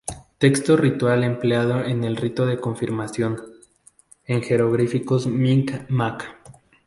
Texto ritual empleado en el Rito de Confirmación, en jeroglíficos micmac.